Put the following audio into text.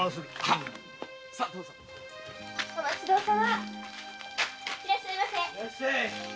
いらっしゃいませ。